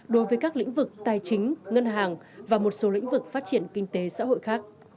đối với các lĩnh vực tài chính ngân hàng và một số lĩnh vực phát triển kinh tế xã hội khác